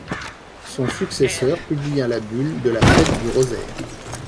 Son successeur publia la bulle de la Fête du Rosaire.